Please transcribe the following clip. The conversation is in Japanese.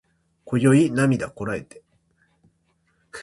今宵涙こらえて